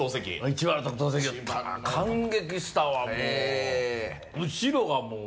一番の特等席やったな感激したわもう。